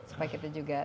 supaya kita juga